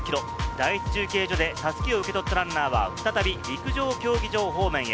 第１中継所で襷を受け取ったランナーは再び陸上競技場方面へ。